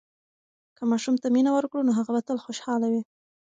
که ماشوم ته مینه ورکړو، نو هغه به تل خوشحاله وي.